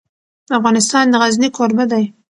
افغانستان د غزني کوربه دی.